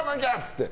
って。